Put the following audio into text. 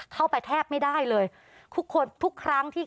แทบไม่ได้เลยทุกคนทุกครั้งที่